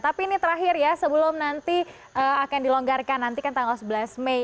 tapi ini terakhir ya sebelum nanti akan dilonggarkan nanti kan tanggal sebelas mei